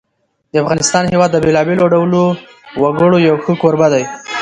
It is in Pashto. د افغانستان هېواد د بېلابېلو ډولو وګړو یو ښه کوربه دی.